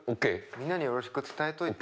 みんなによろしく伝えといてね。